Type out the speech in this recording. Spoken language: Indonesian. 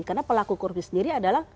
karena pelaku korupsi sendiri adalah